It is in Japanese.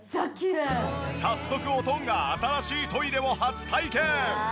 早速おとんが新しいトイレを初体験！